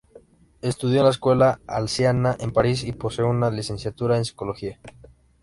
Estudió en la Escuela alsaciana en París, y posee una licenciatura en psicología.